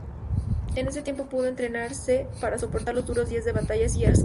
En ese tiempo pudo entrenarse para soportar los duros días de batallas y escaramuzas.